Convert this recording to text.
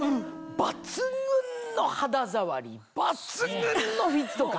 抜群の肌触り抜群のフィット感！